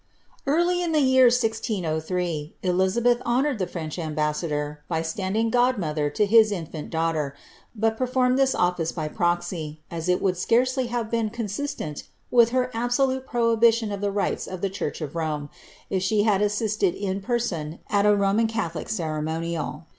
Early in the new year 1603, Elizabeth honoured the French ambas sulor, by standing godmother to his infant daughter, but performed this ofiice by proxy, as it would scarcely have been consistent with hpr absolute prohibition of the rites, of the church of Rome, if she had assisted in person at a Roman catholic ceremonial.